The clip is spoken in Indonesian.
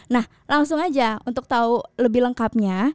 nah langsung aja untuk tahu lebih lengkapnya